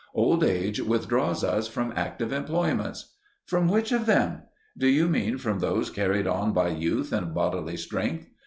OLD AGE WITHDRAWS US FROM ACTIVE EMPLOYMENTS. From which of them? Do you mean from those carried on by youth and bodily strength?